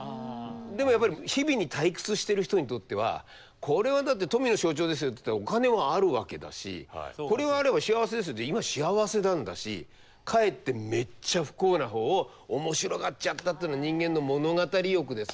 でもやっぱり日々に退屈してる人にとってはこれは富の象徴ですよって言ったらお金はあるわけだしこれがあれば幸せですよって今幸せなんだしかえってめっちゃ不幸なほうを面白がっちゃったっていうのは人間の物語欲ですよね